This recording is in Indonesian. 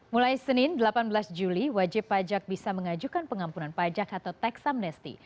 mulai senin delapan belas juli wajib pajak bisa mengajukan pengampunan pajak atau tax amnesty